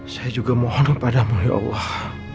saya juga mohon kepadamu ya allah